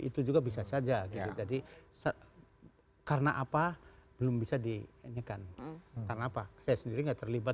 itu juga bisa saja jadi karena apa belum bisa dinyekan karena apa saya sendiri enggak terlibat